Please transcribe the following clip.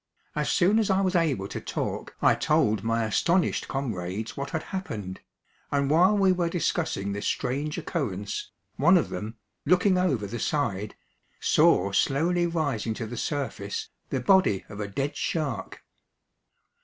As soon as I was able to talk I told my astonished comrades what had happened, and while we were discussing this strange occurrence, one of them, looking over the side, saw slowly rising to the surface the body of a dead shark.